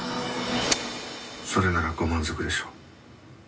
「それならご満足でしょう」